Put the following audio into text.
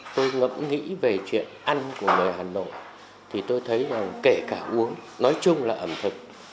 tôi ngẫm nghĩ về chuyện ăn của người hà nội thì tôi thấy là kể cả uống nói chung là ẩm thực